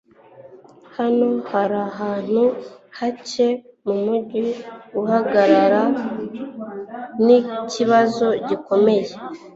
Hano harahantu hake mumujyi guhagarara, nikibazo gikomeye.